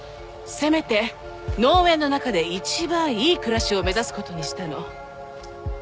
せめて農園の中で一番いい暮らしを目指すことにしたの。